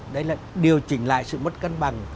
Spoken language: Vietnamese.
đấy là điều chỉnh lại sự mất cân bằng